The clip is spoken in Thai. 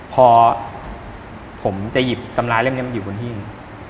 พอผมจะหยิบตำราเล่มนี้มันอยู่บนหิ้ง